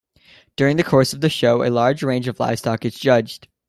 During the course of the show, a large range of livestock is judged.